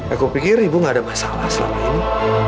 aku pikir ibu gak ada masalah selama ini